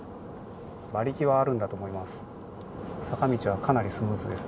馬力はあるんだと思います。